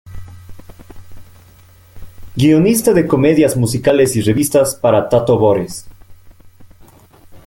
Guionista de comedias musicales y revistas para Tato Bores.